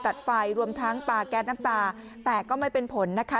ตัดไฟรวมทั้งปลาแก๊สน้ำตาแต่ก็ไม่เป็นผลนะคะ